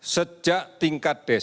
sejak tingkat desa